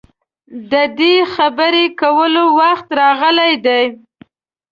د دې خبرې کولو وخت راغلی دی.